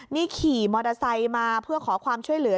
นี่ขี่มอเตอร์ไซค์มาเพื่อขอความช่วยเหลือ